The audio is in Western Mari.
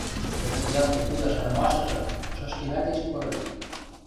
Кӹзӹт якте худа шанымашыжы ышышкемӓт эче пырыде.